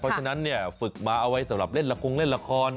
เพราะฉะนั้นฝึกหมาเอาไว้ในละคร